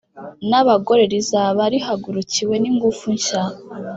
n’abagore rizaba rihagurukiwe n’ingufu nshya.